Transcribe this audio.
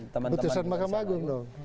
keputusan mahkamah agung loh